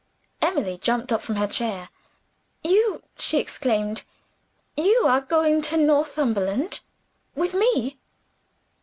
Emily jumped up from her chair. "You!" she exclaimed. "You are going to Northumberland? With me?"